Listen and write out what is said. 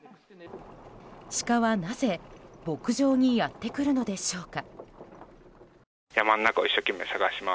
シカはなぜ牧場にやってくるのでしょうか。